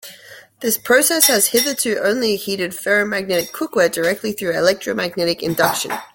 This process has hitherto only heated ferromagnetic cookware directly through electromagnetic induction.